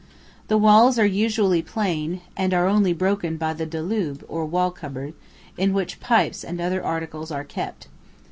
The walls are usually plain, and are only broken by the "dulab," or wall cupboard, in which pipes and other articles are kept.